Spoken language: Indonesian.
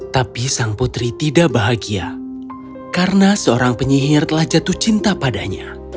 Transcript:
tapi sang putri tidak bahagia karena seorang penyihir telah jatuh cinta padanya